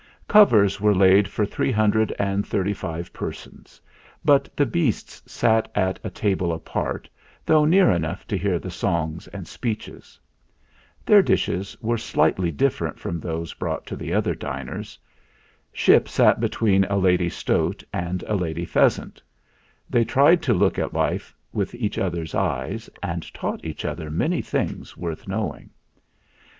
Covers were laid for three hundred and thirty five persons ; but the beasts sat at a table apart, though near enough to hear the songs and speeches. Their dishes were slightly dif THE ZAGABOG 115 ferent from those brought to the other diners. Ship sat between a lady stoat and a lady pheas ant. They tried to look at life with each other's eyes, and taught each other many things worth knowing.